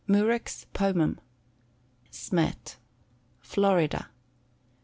Murex Pomum. Smet. Florida.